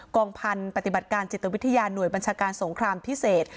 องพันธุ์ปฏิบัติการจิตวิทยาหน่วยบัญชาการสงครามพิเศษ